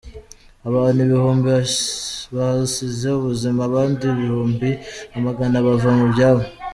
Abantu ibihumbi bahasize ubuzima abandi ibihumbi amagana bava mu byabo.